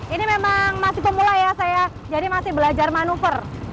ini memang masih pemula ya saya jadi masih belajar manuver